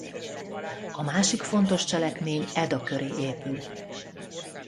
A másik fontos cselekmény Eda köré épül.